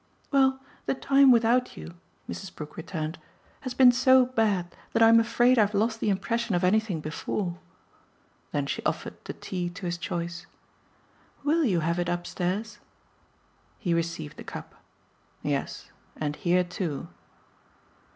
"Well, the time without you," Mrs. Brook returned, "has been so bad that I'm afraid I've lost the impression of anything before." Then she offered the tea to his choice. "WILL you have it upstairs?" He received the cup. "Yes, and here too."